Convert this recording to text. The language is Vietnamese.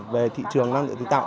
về thị trường năng lượng tái tạo